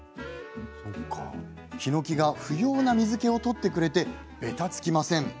ヒノキが不要な水けを取ってくれて、べたつきません。